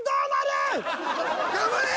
頑張れ！